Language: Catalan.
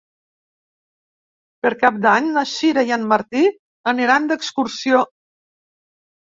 Per Cap d'Any na Sira i en Martí aniran d'excursió.